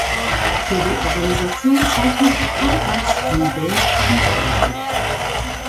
Für die Organisation zeichnete Karl Ernst von Baer verantwortlich.